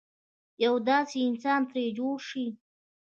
یو داسې انسان ترې جوړ شي.